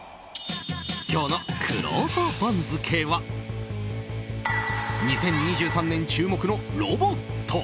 今日のくろうと番付は２０２３年注目のロボット。